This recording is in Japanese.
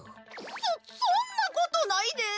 そそんなことないで。